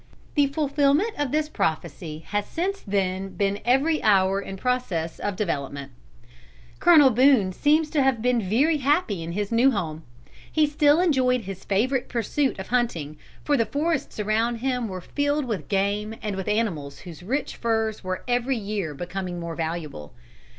The fulfilment of this prophecy has since then been every hour in process of development. Colonel Boone seems to have been very happy in his new home. He still enjoyed his favorite pursuit of hunting, for the forests around him were filled with game and with animals whose rich furs were every year becoming more valuable.